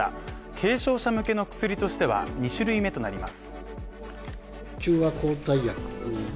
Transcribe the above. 軽症者向けの薬としては２種類目となります。